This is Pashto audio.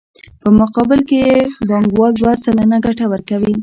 په مقابل کې یې بانکوال دوه سلنه ګټه ورکوي